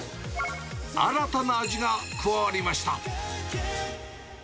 新たな味が加わりました。